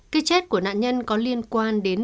cái chết của nạn nhân có liên quan đến